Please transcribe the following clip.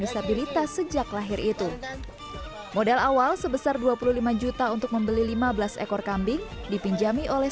disabilitas sejak lahir itu modal awal sebesar dua puluh lima juta untuk membeli lima belas ekor kambing dipinjami oleh